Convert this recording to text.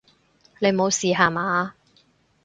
你無事吓嘛！